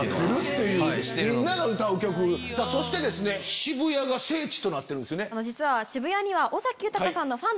そして渋谷が聖地となってるんですよね。